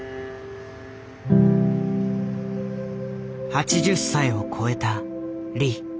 ８０歳を越えたリ。